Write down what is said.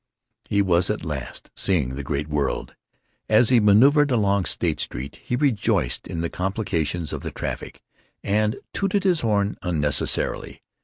He was at last seeing the Great World. As he manœuvered along State Street he rejoiced in the complications of the traffic and tooted his horn unnecessarily.